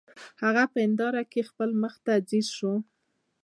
هغه په هنداره کې خپل مخ ته ځیر شو